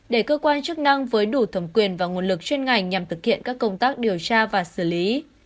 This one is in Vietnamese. để cơ quan chức năng với đủ thẩm quyền và nguồn lực chuyên ngành nhằm thực hiện các công tác điều tra và xử lý